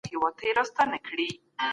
فنګسونه لمدو ځایونو کې وده کوي.